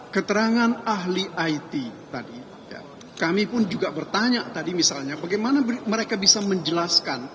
keterangan ahli it tadi kami pun juga bertanya tadi misalnya bagaimana mereka bisa menjelaskan